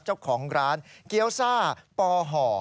เจ้าของร้านเกี้ยวซ่าปอห่อ